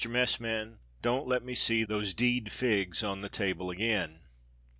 Messman, don't let me see those d d figs on the table again."